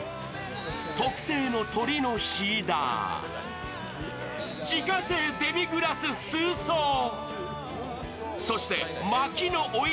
特製の鶏のしーだー、自家製デミグラススーソー、そして、まきのおい